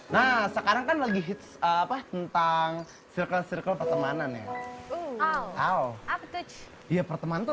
hai nah sekarang kan lagi hit apa tentang cirkel cirkel pertemanan ya oh iya pertemanan